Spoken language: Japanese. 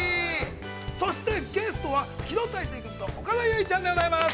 そして、ゲストは木戸大聖君と岡田結実ちゃんでございます。